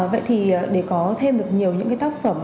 vậy thì để có thêm được nhiều những cái tác phẩm